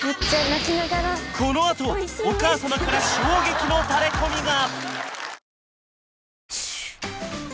このあとお母様から衝撃のタレコミが！